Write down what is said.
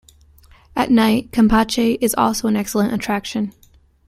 At night, Campeche is also an excellent attraction.